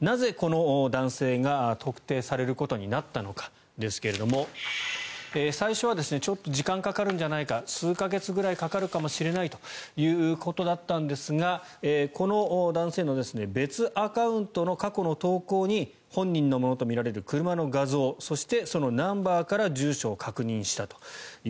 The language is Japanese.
なぜこの男性が特定されることになったのかですが最初はちょっと時間がかかるんじゃないか数か月くらいかかるかもしれないということだったんですがこの男性の別アカウントの過去の投稿に本人のものとみられる車の画像そして、そのナンバーから住所を確認したと。